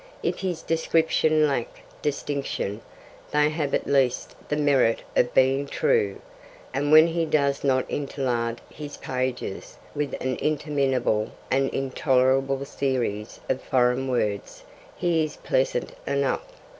If his descriptions lack distinction, they have at least the merit of being true, and when he does not interlard his pages with an interminable and intolerable series of foreign words he is pleasant enough.